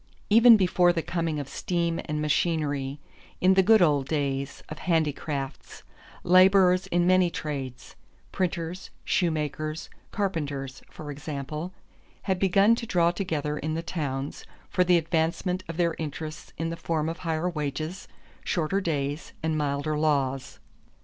Even before the coming of steam and machinery, in the "good old days" of handicrafts, laborers in many trades printers, shoemakers, carpenters, for example had begun to draw together in the towns for the advancement of their interests in the form of higher wages, shorter days, and milder laws.